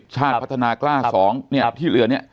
ชาติพัฒนากล้า๒เนี่ยที่เหลือเนี่ย